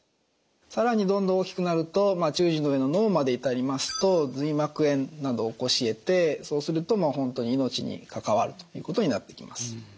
更にどんどん大きくなると中耳の上の脳まで至りますと髄膜炎などを起こしえてそうすると本当に命に関わるということになってきます。